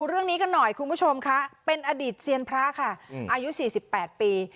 เรื่องนี้กันหน่อยคุณผู้ชมค่ะเป็นอดีตเซียนพระค่ะอายุ๔๘ปี